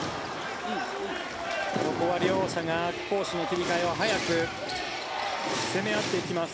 ここは両者が攻守の切り替えを速く攻め合っていきます。